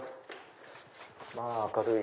まぁ明るい。